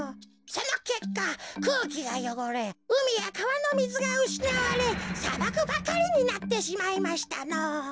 そのけっかくうきがよごれうみやかわのみずがうしなわれさばくばかりになってしまいましたのぉ。